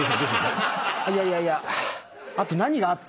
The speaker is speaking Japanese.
いやいやいや。